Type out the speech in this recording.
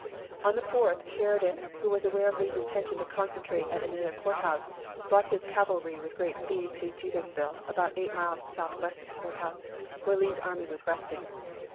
On the 4th, Sheridan, who was aware of Lee's intention to concentrate at Amelia Court House, brought his cavalry with great speed to Jetersville, about eight miles south west of the Court House, where Lee's army was resting.